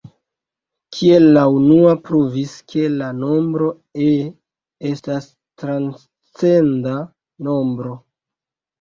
Kiel la unua pruvis, ke la nombro "e" estas transcenda nombro.